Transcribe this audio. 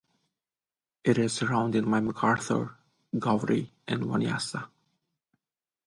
It is surrounded by Macarthur, Gowrie and Wanniassa.